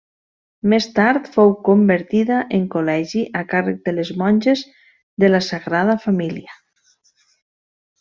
Més tard fou convertida en col·legi a càrrec de les monges de la Sagrada Família.